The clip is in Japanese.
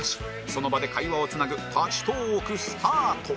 その場で会話をつなぐ立ちトーークスタート！